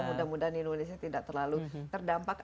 mudah mudahan indonesia tidak terlalu terdampak